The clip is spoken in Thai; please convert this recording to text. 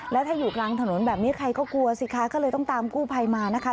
แล้วถ้าอยู่กลางถนนแบบนี้ใครก็กลัวสิคะก็เลยต้องตามกู้ภัยมานะคะ